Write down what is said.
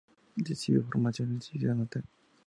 Recibió formación en su ciudad natal.